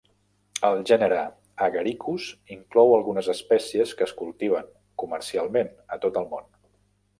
El gènere "Agaricus" inclou algunes espècies que es cultiven comercialment a tot el món.